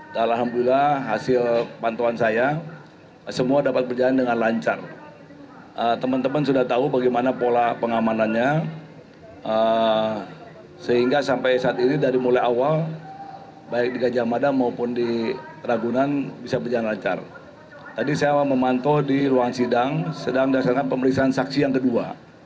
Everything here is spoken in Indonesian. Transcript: kami sedang dasarkan pemeriksaan saksi yang kedua